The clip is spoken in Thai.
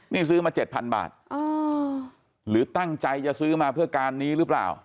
นี่ซื้อมา๗๐๐บาทหรือตั้งใจจะซื้อมาเพื่อการนี้หรือเปล่า